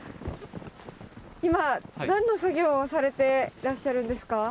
今、なんの作業をされていらっしゃるんですか。